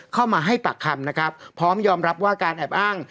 เข้ามาให้ปากคำนะครับพร้อมยอมรับว่าการแอบอ้าง